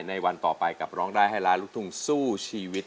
ในวันต่อไปกับร้องได้ให้ล้านลูกทุ่งสู้ชีวิต